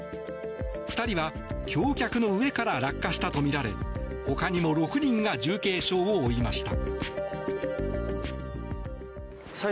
２人は橋脚の上から落下したとみられほかにも６人が重軽傷を負いました。